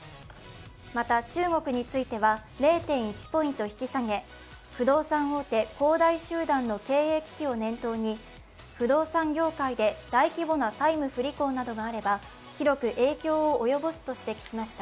また、中国については０．１ポイント引き下げ、不動産大手、恒大集団の経営危機を念頭に不動産業界で大規模な債務不履行などがあれば広く影響を及ぼすと指摘しました。